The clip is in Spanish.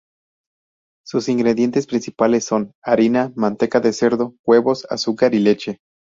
Sus ingredientes principales son: harina, manteca de cerdo, huevos, azúcar y leche